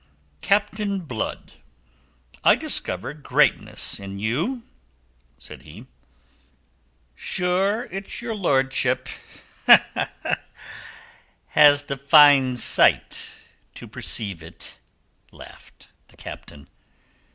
"Captain Blood, I discover greatness in you," said he. "Sure it's your lordship has the fine sight to perceive it," laughed the Captain.